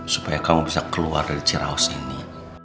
supaya kamu bisa keluar dari cirawas ini